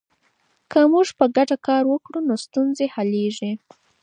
که موږ په ګډه کار وکړو نو ستونزې حلیږي.